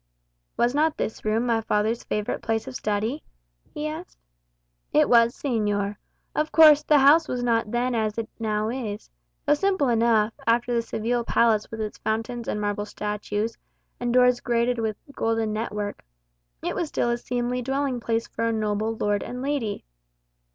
"Was not this room my father's favourite place of study?" he asked. "It was, señor. Of course, the house was not then as it now is. Though simple enough, after the Seville palace with its fountains and marble statues, and doors grated with golden net work, it was still a seemly dwelling place for a noble lord and lady.